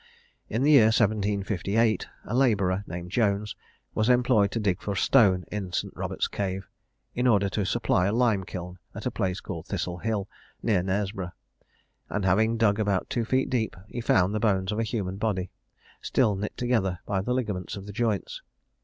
In the year 1758, a labourer named Jones was employed to dig for stone in St. Robert's Cave, in order to supply a limekiln at a place called Thistle Hill, near Knaresborough; and having dug about two feet deep, he found the bones of a human body, still knit together by the ligaments of the joints.